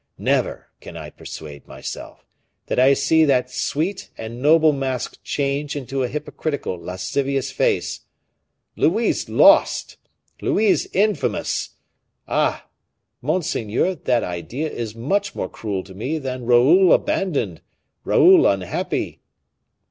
Never can I persuade myself that I see that sweet and noble mask change into a hypocritical lascivious face. Louise lost! Louise infamous! Ah! monseigneur, that idea is much more cruel to me than Raoul abandoned Raoul unhappy!"